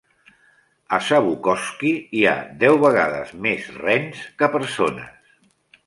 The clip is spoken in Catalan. A Savukoski hi ha deu vegades més rens que persones.